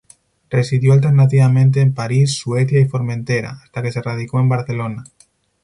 Residió alternativamente en París, Suecia y Formentera, hasta que se radicó en Barcelona.